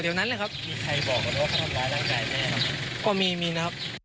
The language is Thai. คือมาละลาน